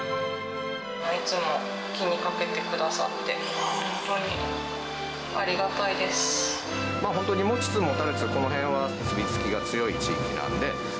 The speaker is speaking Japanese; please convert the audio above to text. いつも気にかけてくださって、本当に持ちつ持たれつ、この辺は結び付きが強い地域なんで。